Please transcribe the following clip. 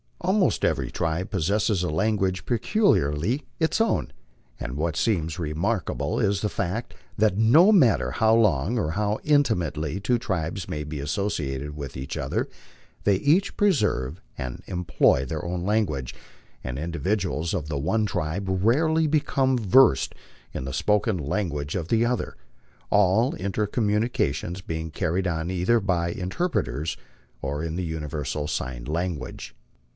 Almost every tribe possesses a language peculiarly its own, and what seems remarkable is the fact that no matter how long or how intimately two tribes may be associ ated with each other, they each preserve and employ their own language, and individuals of the one tribe rarely become versed in the spoken language of the other, all intercommunication being carried on either by interpreters or in the universal sign language.